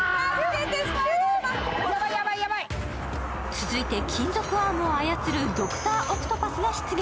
続いて、金属アームを操るドクター・オクトパスが出現。